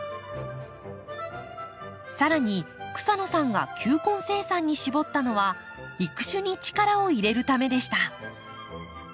さらに草野さんが球根生産に絞ったのは育種に力を入れるためでした。